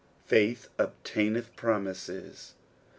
Faith obtaineth promises.